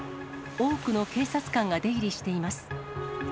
多くの警察官が出入りしています。